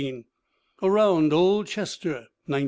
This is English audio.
Around Old Chester, 1915.